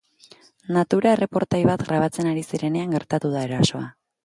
Natura erreportai bat grabatzen ari zirenean gertatu da erasoa.